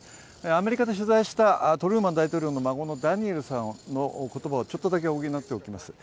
アメリカで取材したトルーマン大統領の孫のダニエルさんの言葉ちょっとだけ補っておきます。